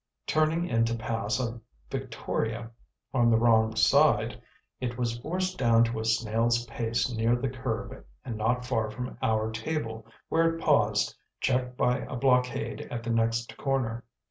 Turning in to pass a victoria on the wrong side, it was forced down to a snail's pace near the curb and not far from our table, where it paused, checked by a blockade at the next corner.